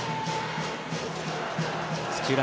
土浦